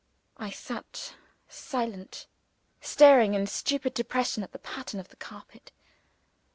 I sat silent; staring in stupid depression at the pattern of the carpet.